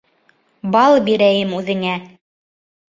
Бал бирәйем үҙеңә